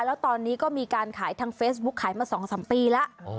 แล้วตอนนี้ก็มีการขายทางเฟซบุ๊กขายมาสองสามปีละอ่อ